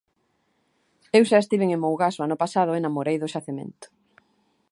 Eu xa estiven en Mougás o ano pasado e namorei do xacemento.